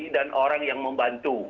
dan orang yang membantu